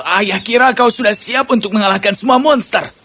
ayah kira kau sudah siap untuk mengalahkan semua monster